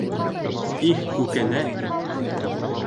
Их Күкәнәй!